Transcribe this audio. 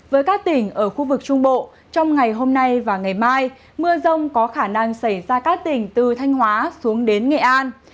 với các tỉnh ở khu vực trung bộ trong ngày hôm nay và ngày mai mưa rông có khả năng xảy ra các tỉnh từ thanh hóa xuống đến nghệ an